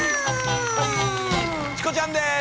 チコちゃんです